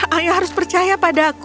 ayah harus percaya padaku